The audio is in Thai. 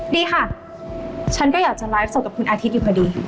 ดีค่ะฉันก็อยากจะไลฟ์สดกับคุณอาทิตย์อยู่พอดี